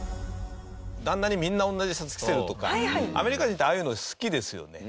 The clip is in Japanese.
旦那にみんな同じシャツ着せるとかアメリカ人ってああいうの好きですよね。